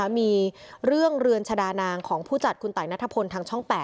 มีเรื่องเรือนชาดานางของผู้จัดคุณตายนัทพลทางช่อง๘